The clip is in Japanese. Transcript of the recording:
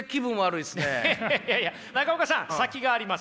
いやいや中岡さん先があります。